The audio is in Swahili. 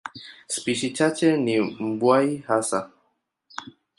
Spishi chache ni mbuai hasa.